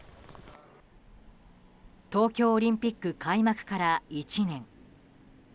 東京オリンピック開幕から１年。